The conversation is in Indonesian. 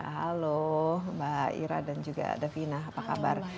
halo mbak ira dan juga davina apa kabar